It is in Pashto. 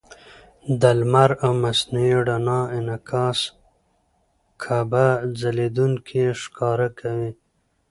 د لمر او مصنوعي رڼا انعکاس کعبه ځلېدونکې ښکاره کوي.